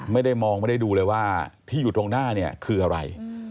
ไม่ได้มองไม่ได้ดูเลยว่าที่อยู่ตรงหน้าเนี่ยคืออะไร